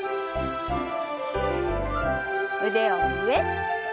腕を上。